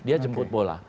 dia jemput bola